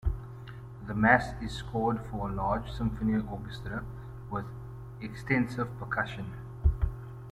The mass is scored for a large symphony orchestra with extensive percussion.